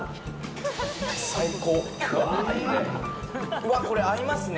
うわっこれ合いますね